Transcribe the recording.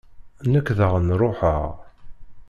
Nekk daɣen ṛuḥeɣ.